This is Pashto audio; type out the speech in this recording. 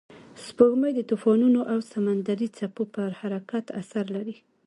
سپوږمۍ د طوفانونو او سمندري څپو پر حرکت اثر لري